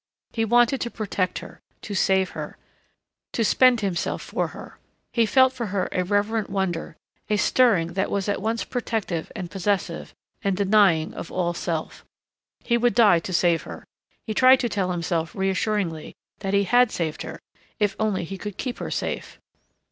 He wanted to protect her, to save her, to spend himself for her.... He felt for her a reverent wonder, a stirring that was at once protective and possessive and denying of all self. He would die to save her. He tried to tell himself reassuringly that he had saved her.... If only he could keep her safe....